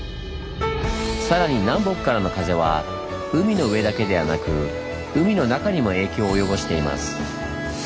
さらに南北からの風は海の上だけではなく海の中にも影響を及ぼしています。